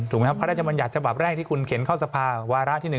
ครับพระราชบัญญัติฉบับแรกที่คุณเข็นเข้าสภาวาระที่๑